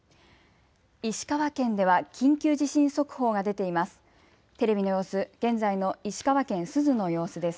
石川県では緊急地震速報が出ています。